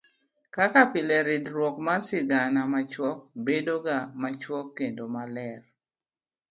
kaka pile ridruok mar sigana machuok bedoga machuok kendo maler.